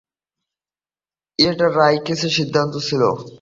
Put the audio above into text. এটা রাউকাসের সিদ্ধান্ত ছিল।